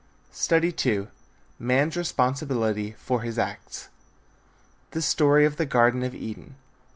STUDY II MAN'S RESPONSIBILITY FOR HIS ACTS. THE STORY OF THE GARDEN OF EDEN.